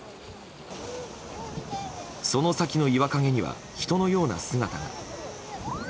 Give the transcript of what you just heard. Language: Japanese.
その先の岩陰には人のような姿が。